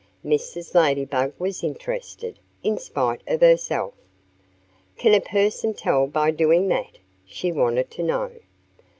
Mrs. Ladybug was interested, in spite of herself. "Can a person tell by doing that?" she wanted to know.